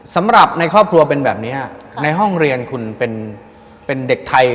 สำหรับในครอบครัวเป็นแบบนี้ในห้องเรียนคุณเป็นเด็กไทย